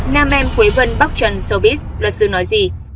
nam em khuấy vân bóc trần showbiz luật sư nói gì